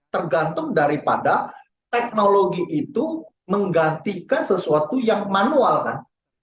tergantung daripada teknologi itu menggantikan sesuatu yang manual kan